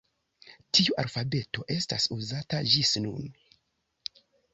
Tiu alfabeto estas uzata ĝis nun.